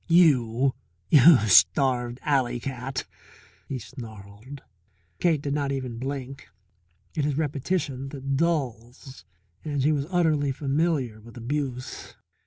You starved alley cat!" he snarled. Cake did not even blink. It is repetition that dulls, and she was utterly familiar with abuse.